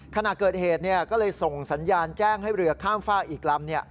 ขณะเกิดเหตุก็เลยส่งสัญญาณแจ้งให้เรือข้ามฝากอีกลำ